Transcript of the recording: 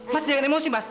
mas jangan emosi mas